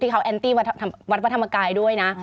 เขาแอนตี้วัดพระธรรมกายด้วยนะ